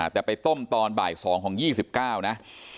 แต่ไปต้มตอนบ่าย๒ของ๒๙นะ